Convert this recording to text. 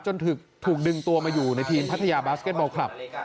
ถูกดึงตัวมาอยู่ในทีมพัทยาบาสเก็ตบอลคลับ